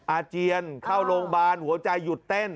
อาเจียนเข้าโรงพยาบาลหัวใจหยุดเต้น